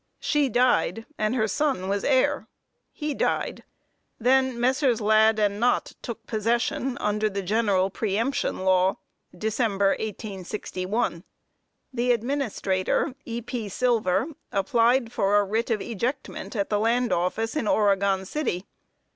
She died, and her son was heir. He died. Then Messrs. Ladd & Nott took possession, under the general pre emption law, December, 1861. The administrator, E.P. Silver, applied for a writ of ejectment at the land office in Oregon City.